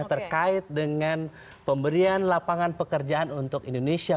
terkait dengan pemberian lapangan pekerjaan untuk indonesia